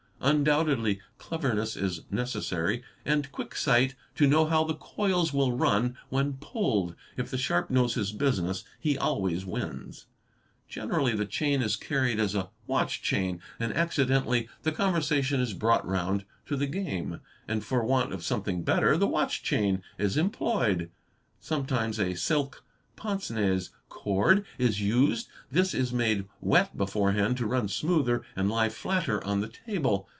Undoubtedly cleverness is necessary and quick sight to know how the coils will run when pulled; if the sharp knows his business he always wins. Generally the chain is carried as a watch chain, and accidentally ._ the conversation is brought |_ round to the game, and for _ want of something better the watch chain is em ployed. Sometimes a silk | pince nez cord is used. | This is made wet before i hand to run smoother and | he flatter on the table.